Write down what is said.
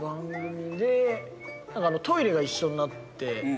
トイレが一緒になって。